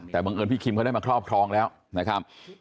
แต่บังเอิญพี่คิมเขาได้มาครอบครองแล้วนะครับ